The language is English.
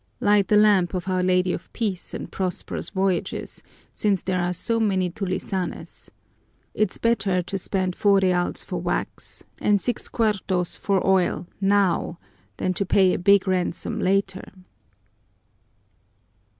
Light the lamp of Our Lady of Peace and Prosperous Voyages, since there are so many tulisanes. It's better to spend four reals for wax and six cuartos for oil now than to pay a big ransom later."